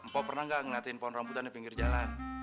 pok pernah gak ngeliatin pohon rambutan di pinggir jalan